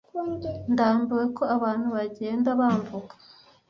ndambiwe ko abantu bagenda bamvuga